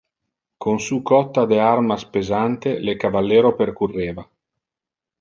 Con su cotta de armas pesante le cavallero percurreva